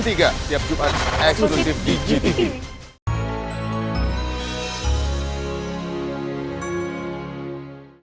tiap jumat eksklusif di gtv